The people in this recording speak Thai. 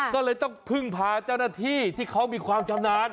ก็เลยต้องพึ่งพาเจ้าหน้าที่ที่เขามีความชำนาญ